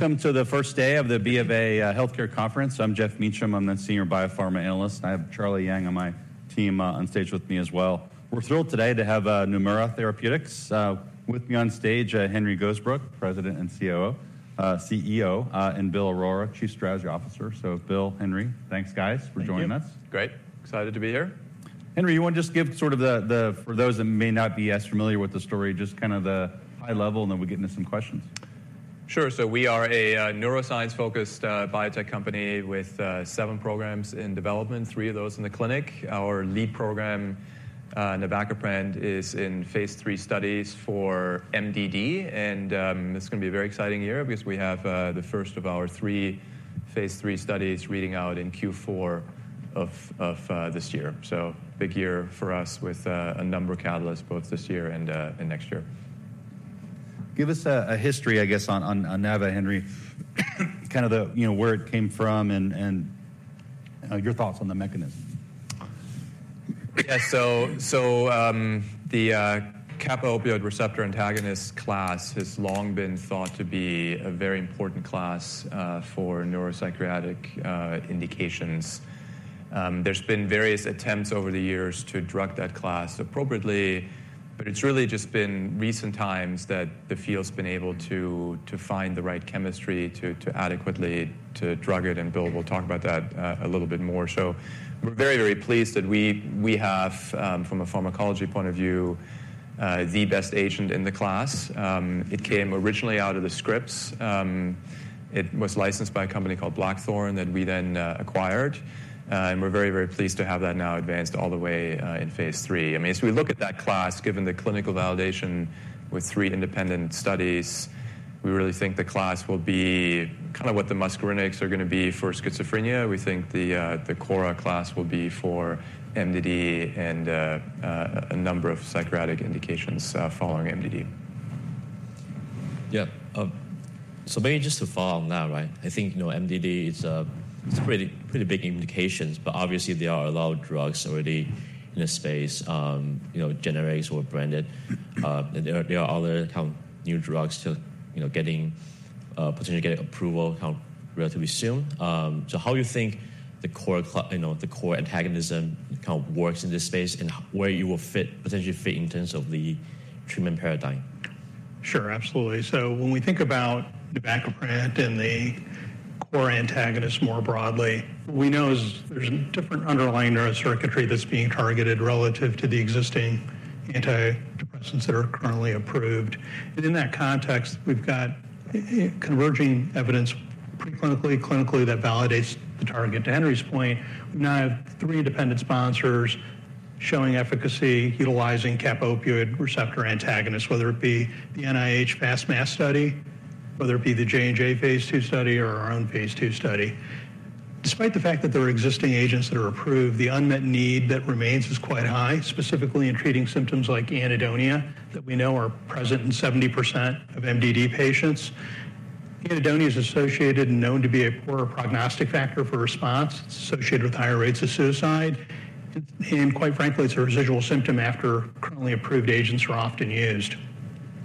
Welcome to the first day of the BofA Healthcare Conference. I'm Geoff Meacham. I'm the Senior Biopharma Analyst. I have Charlie Yang on my team on stage with me as well. We're thrilled today to have Neumora Therapeutics with me on stage, Henry Gosebruch, President and CEO, and Robert Lenz, Executive Vice President, Head of Research and Development. So Robert, Henry, thanks, guys, for joining us. Thank you. Great. Excited to be here. Henry, you want to just give sort of the for those that may not be as familiar with the story, just kind of the high level, and then we'll get into some questions. Sure. So we are a neuroscience-focused biotech company with seven programs in development, three of those in the clinic. Our lead program, navacaprant, is in phase 3 studies for MDD. It's going to be a very exciting year because we have the first of our three phase 3 studies reading out in Q4 of this year. So big year for us with a number of catalysts both this year and next year. Give us a history, I guess, on Nava, Henry, kind of where it came from and your thoughts on the mechanism. Yeah. So the kappa opioid receptor antagonist class has long been thought to be a very important class for neuropsychiatric indications. There's been various attempts over the years to drug that class appropriately, but it's really just been recent times that the field's been able to find the right chemistry to adequately drug it. And Bill, we'll talk about that a little bit more. So we're very, very pleased that we have, from a pharmacology point of view, the best agent in the class. It came originally out of the Scripps. It was licensed by a company called BlackThorn that we then acquired. And we're very, very pleased to have that now advanced all the way in phase 3. I mean, as we look at that class, given the clinical validation with three independent studies, we really think the class will be kind of what the muscarinics are going to be for schizophrenia. We think the KOR class will be for MDD and a number of psychiatric indications following MDD. Yeah. So maybe just to follow up now, right, I think MDD, it's pretty big implications. But obviously, there are a lot of drugs already in the space, generics or branded. And there are other new drugs potentially getting approval relatively soon. So how do you think the KOR antagonism kind of works in this space and where you will potentially fit in terms of the treatment paradigm? Sure. Absolutely. So when we think about navacaprant and the kappa opioid receptor antagonist more broadly, what we know is there's different underlying neurocircuitry that's being targeted relative to the existing antidepressants that are currently approved. And in that context, we've got converging evidence preclinically, clinically that validates the target. To Henry's point, we now have three independent sponsors showing efficacy utilizing kappa opioid receptor antagonists, whether it be the NIH FAST-MAS study, whether it be the J&J phase II study, or our own phase II study. Despite the fact that there are existing agents that are approved, the unmet need that remains is quite high, specifically in treating symptoms like anhedonia, that we know are present in 70% of MDD patients. Anhedonia is associated and known to be a poor prognostic factor for response. It's associated with higher rates of suicide. Quite frankly, it's a residual symptom after currently approved agents are often used.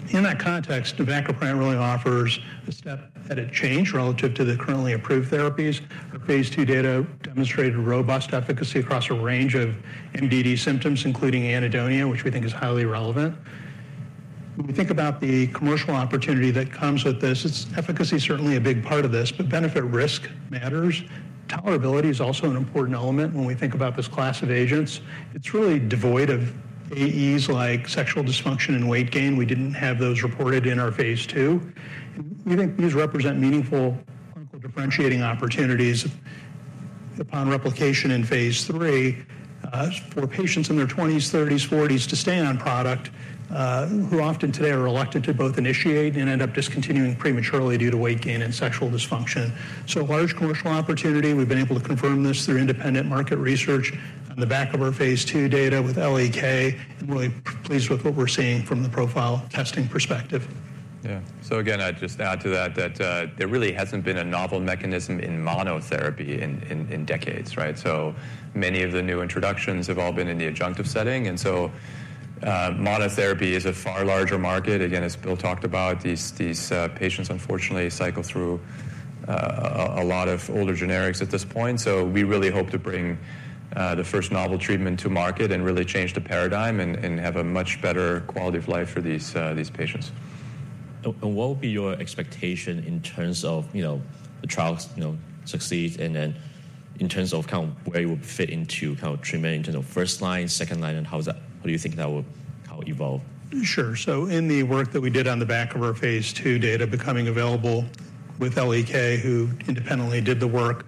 In that context, navacaprant really offers a step change relative to the currently approved therapies. Our phase II data demonstrated robust efficacy across a range of MDD symptoms, including anhedonia, which we think is highly relevant. When we think about the commercial opportunity that comes with this, efficacy is certainly a big part of this. But benefit-risk matters. Tolerability is also an important element when we think about this class of agents. It's really devoid of AEs like sexual dysfunction and weight gain. We didn't have those reported in our phase II. We think these represent meaningful clinical differentiating opportunities upon replication in phase 3 for patients in their 20s, 30s, 40s to stay on product who often today are reluctant to both initiate and end up discontinuing prematurely due to weight gain and sexual dysfunction. A large commercial opportunity. We've been able to confirm this through independent market research on the back of our phase 2 data with L.E.K. We're really pleased with what we're seeing from the profile testing perspective. Yeah. So again, I'd just add to that that there really hasn't been a novel mechanism in monotherapy in decades, right? So many of the new introductions have all been in the adjunctive setting. And so monotherapy is a far larger market. Again, as Bill talked about, these patients, unfortunately, cycle through a lot of older generics at this point. So we really hope to bring the first novel treatment to market and really change the paradigm and have a much better quality of life for these patients. What would be your expectation in terms of the trials succeed and then in terms of kind of where you would fit into kind of treatment in terms of first line, second line, and how do you think that will evolve? Sure. So in the work that we did on the back of our Phase II data becoming available with L.E.K., who independently did the work,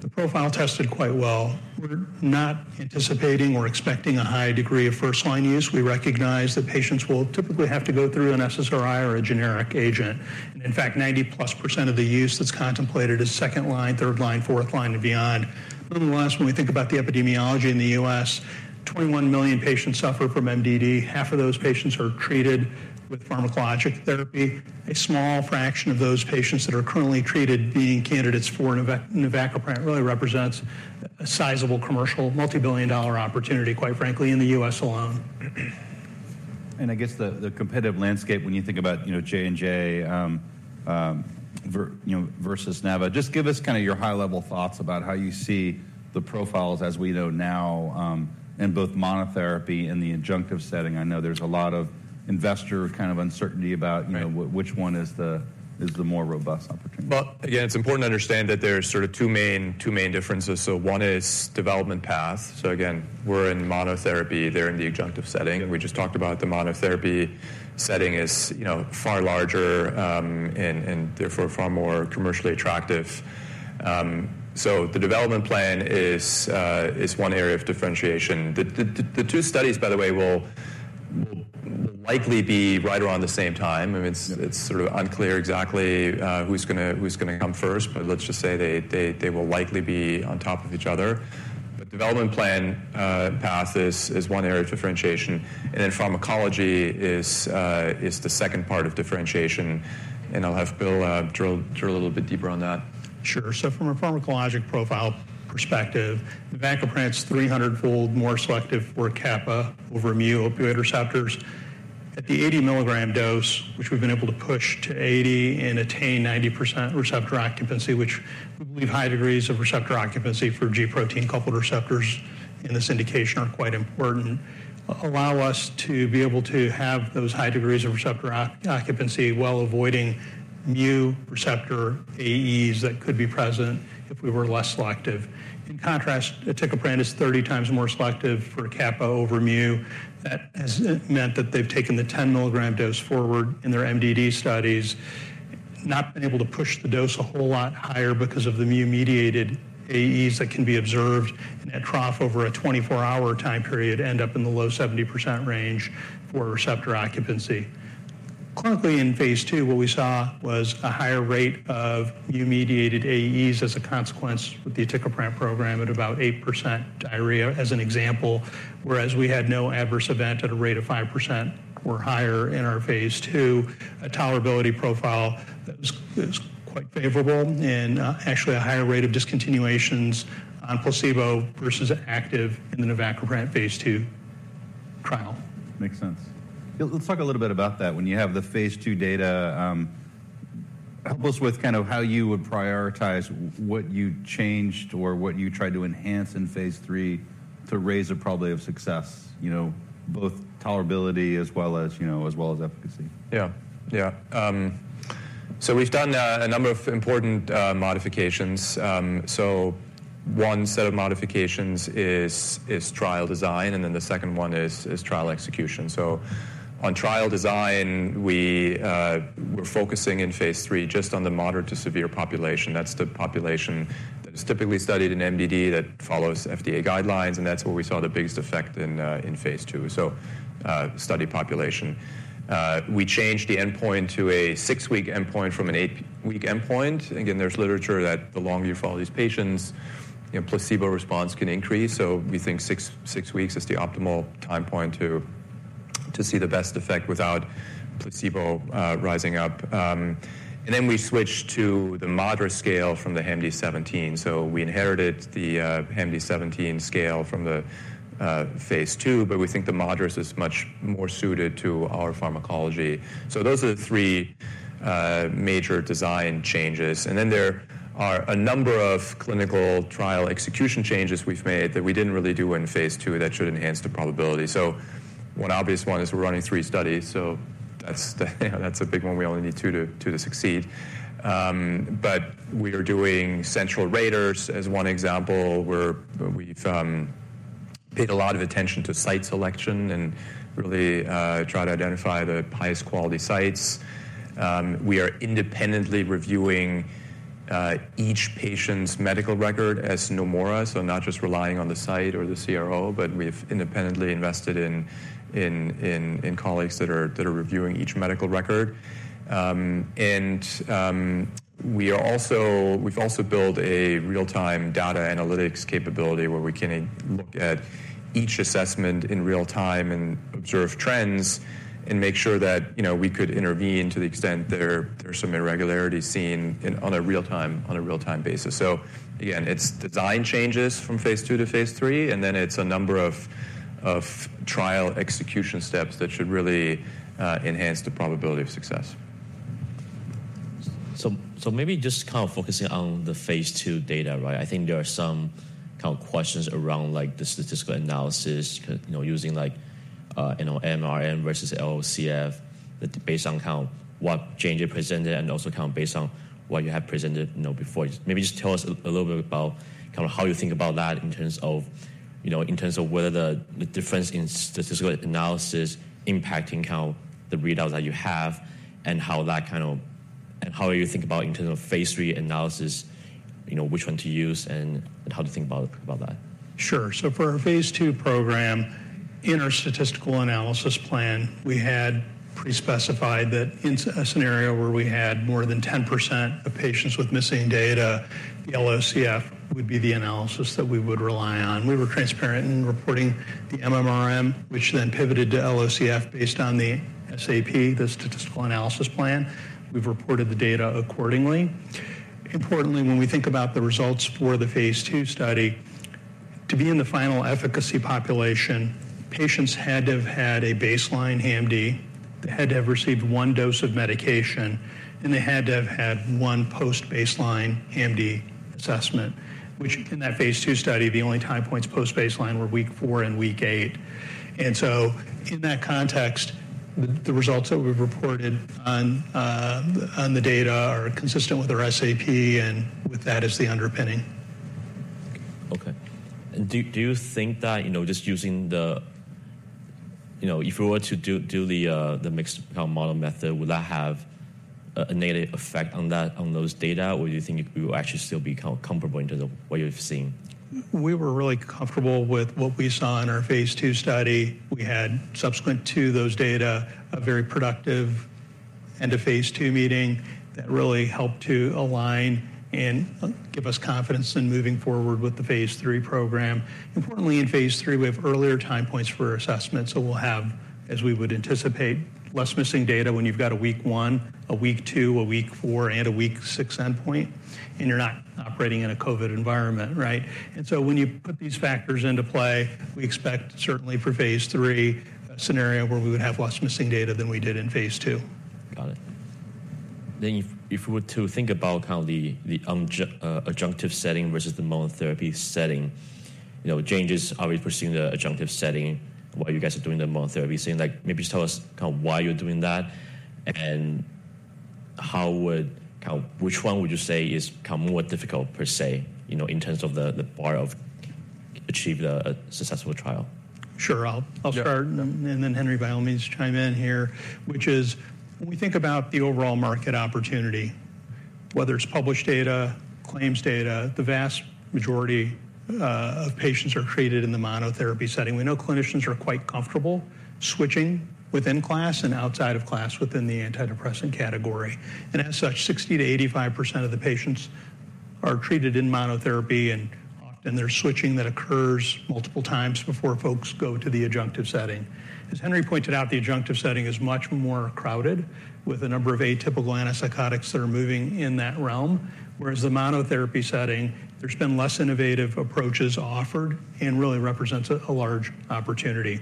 the profile tested quite well. We're not anticipating or expecting a high degree of first-line use. We recognize that patients will typically have to go through an SSRI or a generic agent. And in fact, 90%+ of the use that's contemplated is second line, third line, fourth line, and beyond. Nonetheless, when we think about the epidemiology in the U.S., 21 million patients suffer from MDD. Half of those patients are treated with pharmacologic therapy. A small fraction of those patients that are currently treated being candidates for navacaprant really represents a sizable commercial multibillion-dollar opportunity, quite frankly, in the U.S. alone. I guess the competitive landscape when you think about J&J versus Nava, just give us kind of your high-level thoughts about how you see the profiles, as we know now, in both monotherapy and the adjunctive setting. I know there's a lot of investor kind of uncertainty about which one is the more robust opportunity? Well, again, it's important to understand that there's sort of two main differences. So one is development path. So again, we're in monotherapy. They're in the adjunctive setting. We just talked about the monotherapy setting is far larger and therefore far more commercially attractive. So the development plan is one area of differentiation. The two studies, by the way, will likely be right around the same time. I mean, it's sort of unclear exactly who's going to come first. But let's just say they will likely be on top of each other. But development plan path is one area of differentiation. And then pharmacology is the second part of differentiation. And I'll have Bill drill a little bit deeper on that. Sure. So from a pharmacologic profile perspective, navacaprant's 300-fold more selective for kappa over mu opioid receptors. At the 80-milligram dose, which we've been able to push to 80 and attain 90% receptor occupancy, which we believe high degrees of receptor occupancy for G protein-coupled receptors in this indication are quite important, allow us to be able to have those high degrees of receptor occupancy while avoiding mu receptor AEs that could be present if we were less selective. In contrast, aticaprant is 30 times more selective for kappa over mu. That has meant that they've taken the 10-milligram dose forward in their MDD studies, not been able to push the dose a whole lot higher because of the mu-mediated AEs that can be observed. And at trough, over a 24-hour time period, end up in the low 70% range for receptor occupancy. Clinically, in phase II, what we saw was a higher rate of mu-mediated AEs as a consequence with the aticaprant program at about 8% diarrhea, as an example, whereas we had no adverse event at a rate of 5% or higher in our phase II. A tolerability profile that was quite favorable and actually a higher rate of discontinuations on placebo versus active in the navacaprant phase II trial. Makes sense. Let's talk a little bit about that. When you have the phase II data, help us with kind of how you would prioritize what you changed or what you tried to enhance in phase III to raise a probability of success, both tolerability as well as efficacy. Yeah. Yeah. So we've done a number of important modifications. So one set of modifications is trial design. And then the second one is trial execution. So on trial design, we're focusing in phase III just on the moderate to severe population. That's the population that is typically studied in MDD that follows FDA guidelines. And that's where we saw the biggest effect in phase II, so study population. We changed the endpoint to a 6-week endpoint from an 8-week endpoint. Again, there's literature that the longer you follow these patients, placebo response can increase. So we think 6 weeks is the optimal time point to see the best effect without placebo rising up. And then we switched to the MADRS scale from the HAM-D17. So we inherited the HAM-D17 scale from the phase II, but we think the MADRS is much more suited to our pharmacology. Those are the 3 major design changes. Then there are a number of clinical trial execution changes we've made that we didn't really do in phase II that should enhance the probability. One obvious one is we're running 3 studies. That's a big one. We only need 2 to succeed. But we are doing central raters as one example. We've paid a lot of attention to site selection and really tried to identify the highest quality sites. We are independently reviewing each patient's medical record as Neumora, so not just relying on the site or the CRO, but we've independently invested in colleagues that are reviewing each medical record. We've also built a real-time data analytics capability where we can look at each assessment in real time and observe trends and make sure that we could intervene to the extent there are some irregularities seen on a real-time basis. Again, it's design changes from phase II to phase III. Then it's a number of trial execution steps that should really enhance the probability of success. Maybe just kind of focusing on the phase II data, right? I think there are some kind of questions around the statistical analysis using MMRM versus LOCF based on kind of what change you presented and also kind of based on what you have presented before. Maybe just tell us a little bit about kind of how you think about that in terms of whether the difference in statistical analysis is impacting kind of the readout that you have and how that kind of and how you think about in terms of phase III analysis, which one to use, and how to think about that. Sure. So for our phase II program, in our statistical analysis plan, we had pre-specified that in a scenario where we had more than 10% of patients with missing data, the LOCF would be the analysis that we would rely on. We were transparent in reporting the MMRM, which then pivoted to LOCF based on the SAP, the statistical analysis plan. We've reported the data accordingly. Importantly, when we think about the results for the phase II study, to be in the final efficacy population, patients had to have had a baseline HAMD. They had to have received one dose of medication. And they had to have had one post-baseline HAMD assessment, which in that phase II study, the only time points post-baseline were week four and week eight. And so in that context, the results that we've reported on the data are consistent with our SAP. And with that is the underpinning. Okay. Do you think that just using the if we were to do the mixed model method, would that have a negative effect on those data, or do you think we would actually still be comfortable in terms of what you've seen? We were really comfortable with what we saw in our phase II study. We had, subsequent to those data, a very productive end-of-phase II meeting that really helped to align and give us confidence in moving forward with the phase III program. Importantly, in phase III, we have earlier time points for assessment. So we'll have, as we would anticipate, less missing data when you've got a week 1, a week 2, a week 4, and a week 6 endpoint. And you're not operating in a COVID environment, right? And so when you put these factors into play, we expect, certainly for phase III, a scenario where we would have less missing data than we did in phase II. Got it. Then if we were to think about kind of the adjunctive setting versus the monotherapy setting, Janssen is obviously pursuing the adjunctive setting while you guys are doing the monotherapy. So maybe just tell us kind of why you're doing that and which one would you say is more difficult, per se, in terms of the bar of achieving a successful trial? Sure. I'll start. And then Henry Gosebruch's chime in here, which is when we think about the overall market opportunity, whether it's published data, claims data, the vast majority of patients are treated in the monotherapy setting. We know clinicians are quite comfortable switching within class and outside of class within the antidepressant category. And as such, 60%-85% of the patients are treated in monotherapy. And often, there's switching that occurs multiple times before folks go to the adjunctive setting. As Henry pointed out, the adjunctive setting is much more crowded with a number of atypical antipsychotics that are moving in that realm, whereas the monotherapy setting, there's been less innovative approaches offered and really represents a large opportunity.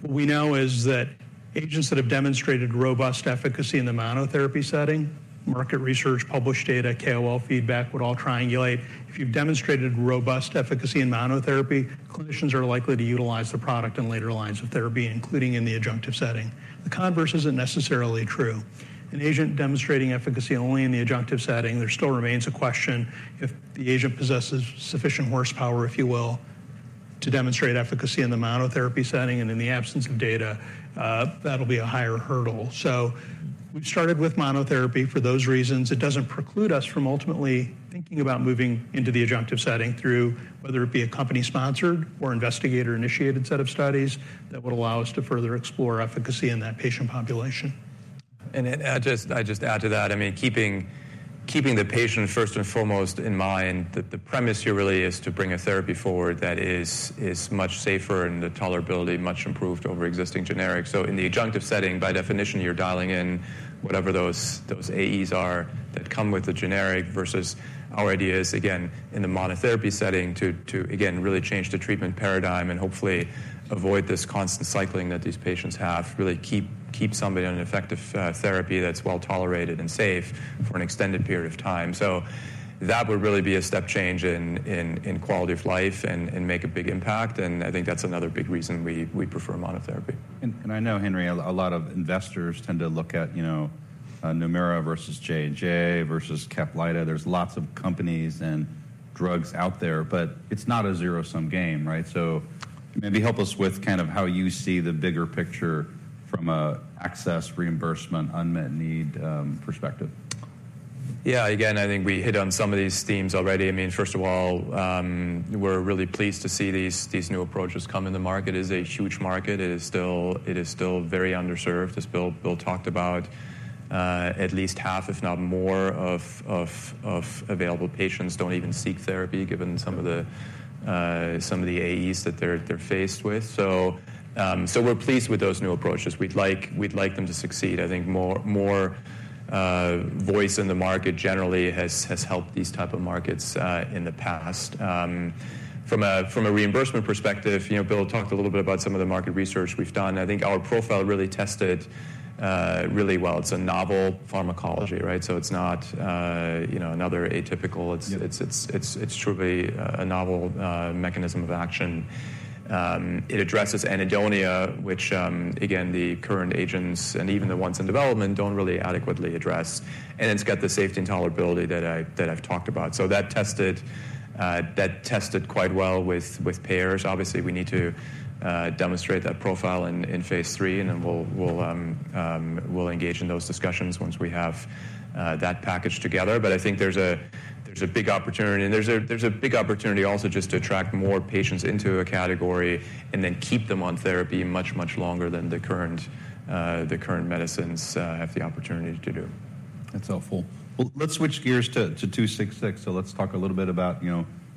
What we know is that agents that have demonstrated robust efficacy in the monotherapy setting market research, published data, KOL feedback would all triangulate. If you've demonstrated robust efficacy in monotherapy, clinicians are likely to utilize the product in later lines of therapy, including in the adjunctive setting. The converse isn't necessarily true. An agent demonstrating efficacy only in the adjunctive setting, there still remains a question if the agent possesses sufficient horsepower, if you will, to demonstrate efficacy in the monotherapy setting. And in the absence of data, that'll be a higher hurdle. So we started with monotherapy for those reasons. It doesn't preclude us from ultimately thinking about moving into the adjunctive setting through whether it be a company-sponsored or investigator-initiated set of studies that would allow us to further explore efficacy in that patient population. I'd just add to that. I mean, keeping the patient first and foremost in mind, the premise here really is to bring a therapy forward that is much safer and the tolerability much improved over existing generics. So in the adjunctive setting, by definition, you're dialing in whatever those AEs are that come with the generic versus our idea is, again, in the monotherapy setting to, again, really change the treatment paradigm and hopefully avoid this constant cycling that these patients have, really keep somebody on an effective therapy that's well-tolerated and safe for an extended period of time. So that would really be a step change in quality of life and make a big impact. And I think that's another big reason we prefer monotherapy. I know, Henry, a lot of investors tend to look at Neumora versus J&J versus Caplyta. There's lots of companies and drugs out there. It's not a zero-sum game, right? Maybe help us with kind of how you see the bigger picture from an access, reimbursement, unmet need perspective. Yeah. Again, I think we hit on some of these themes already. I mean, first of all, we're really pleased to see these new approaches come in the market. It is a huge market. It is still very underserved. As Bill talked about, at least half, if not more, of available patients don't even seek therapy given some of the AEs that they're faced with. So we're pleased with those new approaches. We'd like them to succeed. I think more choice in the market generally has helped these type of markets in the past. From a reimbursement perspective, Bill talked a little bit about some of the market research we've done. I think our profile really tested really well. It's a novel pharmacology, right? So it's not another atypical. It's truly a novel mechanism of action. It addresses anhedonia, which, again, the current agents and even the ones in development don't really adequately address. It's got the safety and tolerability that I've talked about. That tested quite well with payers. Obviously, we need to demonstrate that profile in phase III. Then we'll engage in those discussions once we have that package together. I think there's a big opportunity. There's a big opportunity also just to attract more patients into a category and then keep them on therapy much, much longer than the current medicines have the opportunity to do. That's helpful. Well, let's switch gears to 266. So let's talk a little bit about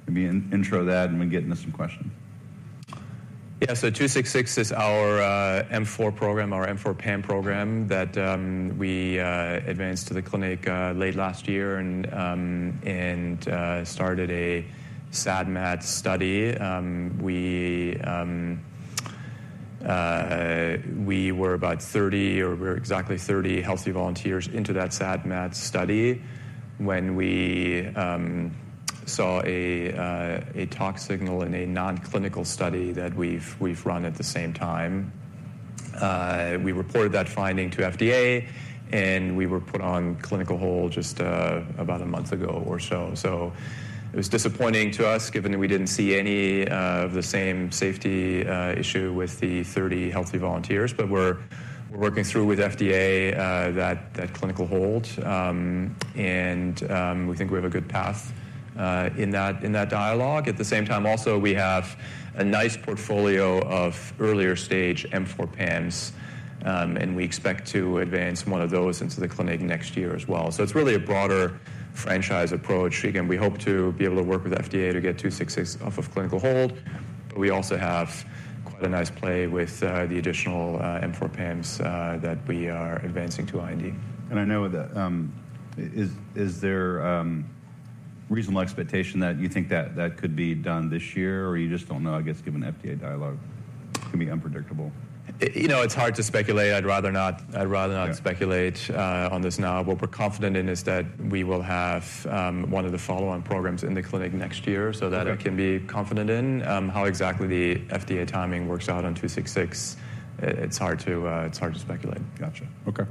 maybe intro that. And we're getting to some questions. Yeah. So 266 is our M4 program, our M4 PAM program that we advanced to the clinic late last year and started a SAD/MAD study. We were about 30 or we were exactly 30 healthy volunteers into that SAD/MAD study when we saw a tox signal in a non-clinical study that we've run at the same time. We reported that finding to FDA. We were put on clinical hold just about a month ago or so. So it was disappointing to us given that we didn't see any of the same safety issue with the 30 healthy volunteers. But we're working through with FDA that clinical hold. We think we have a good path in that dialogue. At the same time, also, we have a nice portfolio of earlier-stage M4 PAMs. We expect to advance one of those into the clinic next year as well. So it's really a broader franchise approach. Again, we hope to be able to work with FDA to get 266 off of clinical hold. But we also have quite a nice play with the additional M4 PAMs that we are advancing to IND. And I know that. Is there reasonable expectation that you think that could be done this year? Or you just don't know, I guess, given FDA dialogue? It can be unpredictable. It's hard to speculate. I'd rather not speculate on this now. What we're confident in is that we will have one of the follow-on programs in the clinic next year so that I can be confident in how exactly the FDA timing works out on 266. It's hard to speculate. Gotcha. Okay.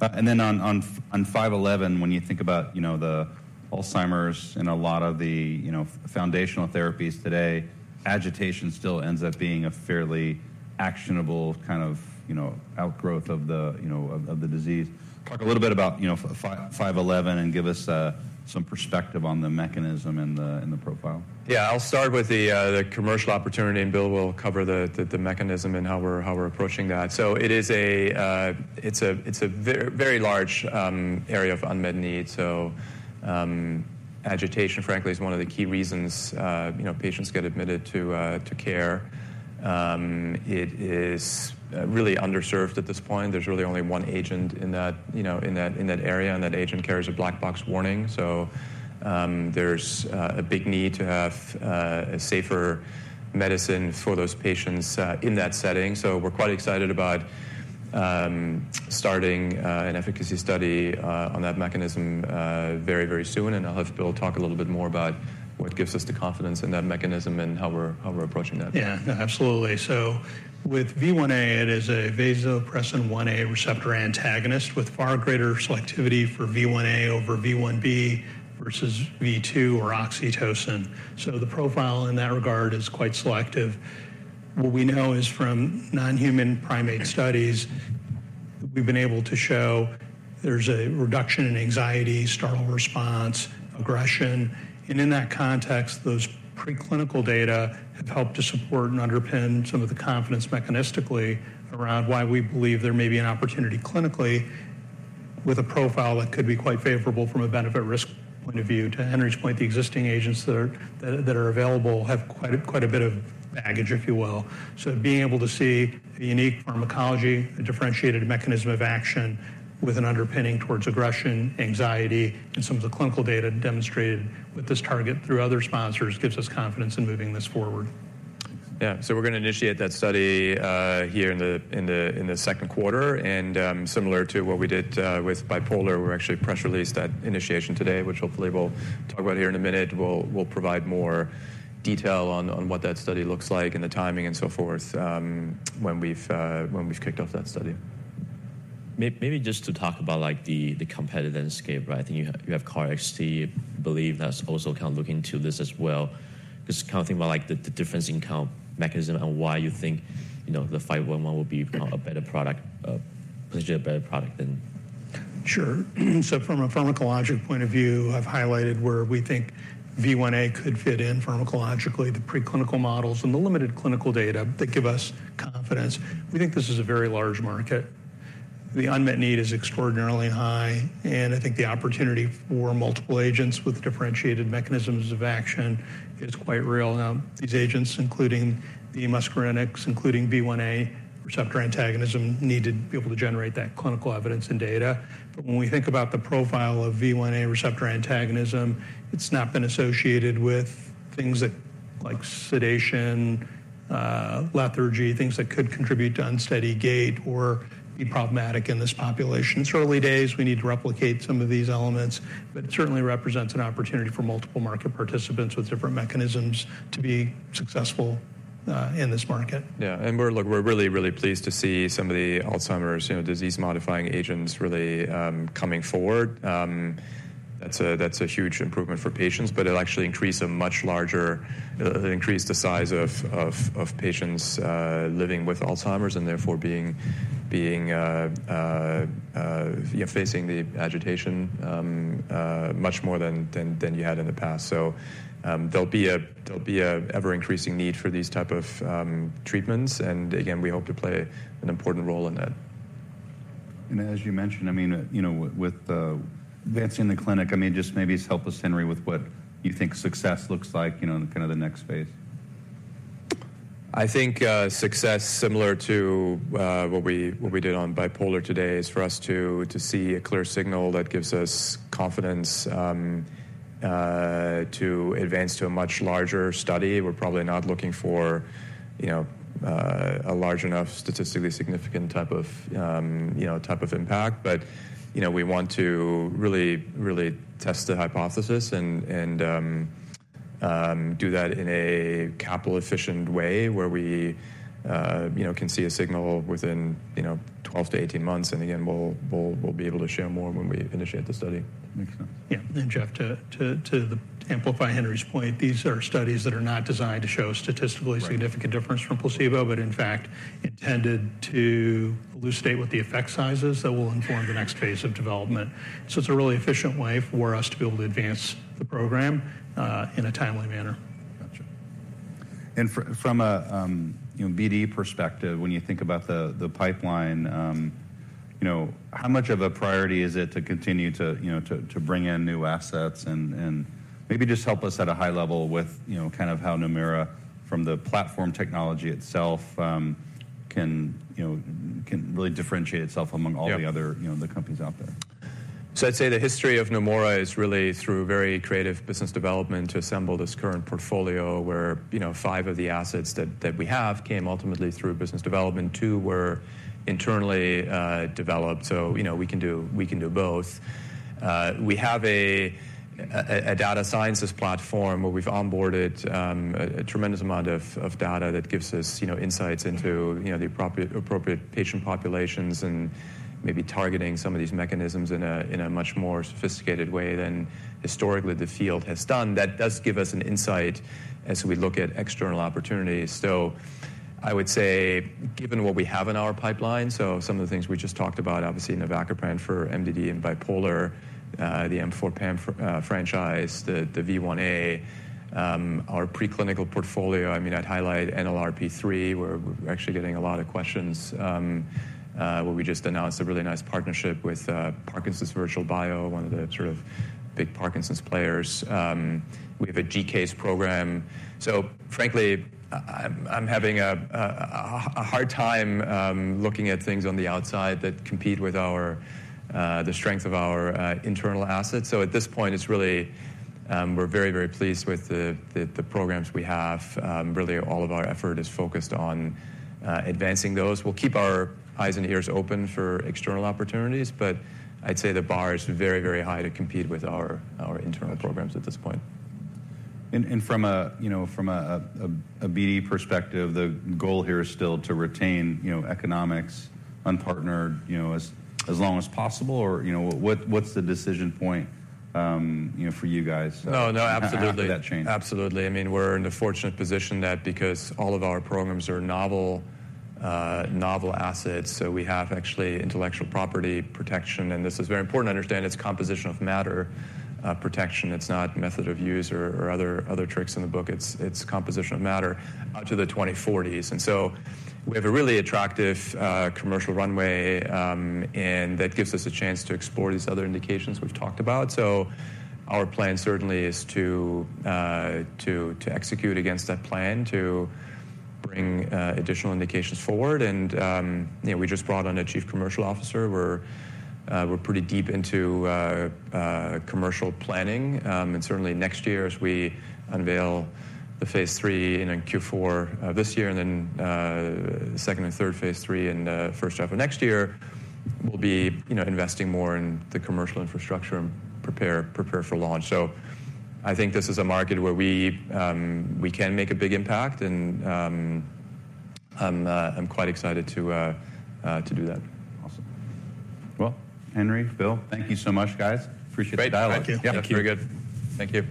And then on 511, when you think about the Alzheimer's and a lot of the foundational therapies today, agitation still ends up being a fairly actionable kind of outgrowth of the disease. Talk a little bit about 511 and give us some perspective on the mechanism and the profile. Yeah. I'll start with the commercial opportunity. And Bill will cover the mechanism and how we're approaching that. So it's a very large area of unmet need. So agitation, frankly, is one of the key reasons patients get admitted to care. It is really underserved at this point. There's really only one agent in that area. And that agent carries a black box warning. So there's a big need to have a safer medicine for those patients in that setting. So we're quite excited about starting an efficacy study on that mechanism very, very soon. And I'll have Bill talk a little bit more about what gives us the confidence in that mechanism and how we're approaching that. Yeah. Absolutely. So with V1a, it is a vasopressin 1a receptor antagonist with far greater selectivity for V1a over V1b versus V2 or oxytocin. So the profile in that regard is quite selective. What we know is from non-human primate studies, we've been able to show there's a reduction in anxiety, startle response, aggression. And in that context, those preclinical data have helped to support and underpin some of the confidence mechanistically around why we believe there may be an opportunity clinically with a profile that could be quite favorable from a benefit-risk point of view. To Henry's point, the existing agents that are available have quite a bit of baggage, if you will. So being able to see a unique pharmacology, a differentiated mechanism of action with an underpinning towards aggression, anxiety, and some of the clinical data demonstrated with this target through other sponsors gives us confidence in moving this forward. Yeah. So we're going to initiate that study here in the second quarter. And similar to what we did with bipolar, we're actually press-released that initiation today, which hopefully we'll talk about here in a minute. We'll provide more detail on what that study looks like and the timing and so forth when we've kicked off that study. Maybe just to talk about the competitive landscape, right? I think you have KarXT. I believe that's also kind of looking into this as well because kind of thinking about the difference in kind of mechanism and why you think the 511 will be a better product, potentially a better product than. Sure. So from a pharmacologic point of view, I've highlighted where we think V1a could fit in pharmacologically, the preclinical models, and the limited clinical data that give us confidence. We think this is a very large market. The unmet need is extraordinarily high. And I think the opportunity for multiple agents with differentiated mechanisms of action is quite real. Now, these agents, including the muscarinics, including V1a receptor antagonism, need to be able to generate that clinical evidence and data. But when we think about the profile of V1a receptor antagonism, it's not been associated with things like sedation, lethargy, things that could contribute to unsteady gait or be problematic in this population. It's early days. We need to replicate some of these elements. But it certainly represents an opportunity for multiple market participants with different mechanisms to be successful in this market. Yeah. And look, we're really, really pleased to see some of the Alzheimer's disease-modifying agents really coming forward. That's a huge improvement for patients. But it'll actually increase the size of patients living with Alzheimer's and therefore facing the agitation much more than you had in the past. So there'll be an ever-increasing need for these type of treatments. And again, we hope to play an important role in that. As you mentioned, I mean, with advancing the clinic, I mean, just maybe help us, Henry, with what you think success looks like in kind of the next phase? I think success, similar to what we did on Bipolar today, is for us to see a clear signal that gives us confidence to advance to a much larger study. We're probably not looking for a large enough statistically significant type of impact. But we want to really, really test the hypothesis and do that in a capital-efficient way where we can see a signal within 12-18 months. And again, we'll be able to show more when we initiate the study. Makes sense. Yeah. And Geoff, to amplify Henry's point, these are studies that are not designed to show a statistically significant difference from placebo but, in fact, intended to elucidate what the effect size is that will inform the next phase of development. So it's a really efficient way for us to be able to advance the program in a timely manner. Gotcha. And from a BD perspective, when you think about the pipeline, how much of a priority is it to continue to bring in new assets and maybe just help us at a high level with kind of how Neumora, from the platform technology itself, can really differentiate itself among all the other companies out there? So I'd say the history of Neumora is really through very creative business development to assemble this current portfolio where five of the assets that we have came ultimately through business development. Two were internally developed. So we can do both. We have a data sciences platform where we've onboarded a tremendous amount of data that gives us insights into the appropriate patient populations and maybe targeting some of these mechanisms in a much more sophisticated way than historically the field has done. That does give us an insight as we look at external opportunities. So I would say, given what we have in our pipeline so some of the things we just talked about, obviously, navacaprant for MDD and Bipolar, the M4 PAM franchise, the V1a, our preclinical portfolio I mean, I'd highlight NLRP3 where we're actually getting a lot of questions where we just announced a really nice partnership with Parkinson's Virtual Biotech, one of the sort of big Parkinson's players. We have a GCase program. So frankly, I'm having a hard time looking at things on the outside that compete with the strength of our internal assets. So at this point, we're very, very pleased with the programs we have. Really, all of our effort is focused on advancing those. We'll keep our eyes and ears open for external opportunities. But I'd say the bar is very, very high to compete with our internal programs at this point. From a BD perspective, the goal here is still to retain economics unpartnered as long as possible? Or what's the decision point for you guys? No. No. Absolutely. How does that change? Absolutely. I mean, we're in a fortunate position that because all of our programs are novel assets, so we have actually intellectual property protection. And this is very important to understand. It's composition of matter protection. It's not method of use or other tricks in the book. It's composition of matter out to the 2040s. And so we have a really attractive commercial runway. And that gives us a chance to explore these other indications we've talked about. So our plan certainly is to execute against that plan, to bring additional indications forward. And we just brought on a chief commercial officer. We're pretty deep into commercial planning. And certainly, next year, as we unveil the phase three in Q4 this year and then second and third phase three in the first half of next year, we'll be investing more in the commercial infrastructure and prepare for launch. I think this is a market where we can make a big impact. I'm quite excited to do that. Awesome. Well, Henry, Bill, thank you so much, guys. Appreciate the dialogue. Thank you. Yeah. Very good. Thank you.